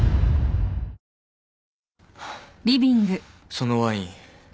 そのワイン